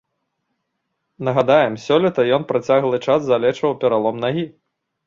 Нагадаем, сёлета ён працяглы час залечваў пералом нагі.